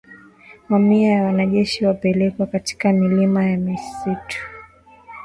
Mamia ya wanajeshi wamepelekwa katika milima ya msituni